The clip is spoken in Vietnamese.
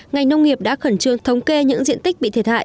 ngành nông nghiệp đã khẩn trương thống kê những diện tích bị thiệt hại